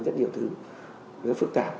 rất nhiều thứ rất phức tạp